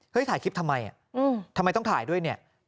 ถ่ายคลิปทำไมทำไมต้องถ่ายด้วยเนี่ย